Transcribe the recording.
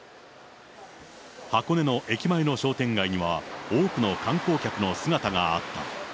箱根の駅前の商店街には、多くの観光客の姿があった。